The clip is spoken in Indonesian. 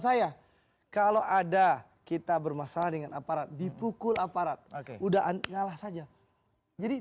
saya kalau ada kita bermasalah dengan aparat dipukul aparat oke udah ngalah saja jadi